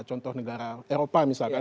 contoh negara eropa misalkan